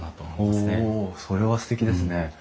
それはすてきですね。